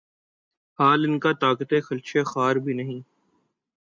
حال آنکہ طاقتِ خلشِ خار بھی نہیں